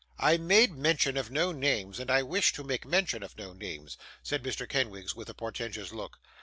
'I made mention of no names, and I wish to make mention of no names,' said Mr. Kenwigs, with a portentous look.